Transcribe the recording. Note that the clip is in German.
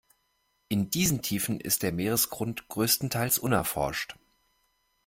In diesen Tiefen ist der Meeresgrund größtenteils unerforscht.